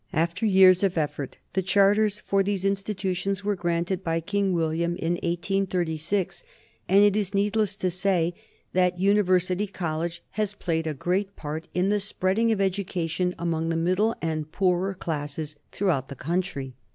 After years of effort the charters for these institutions were granted by King William in 1836, and it is needless to say that University College has played a great part in the spreading of education among the middle and poorer classes throughout the country.